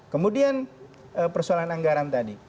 kemudian persoalan anggaran tadi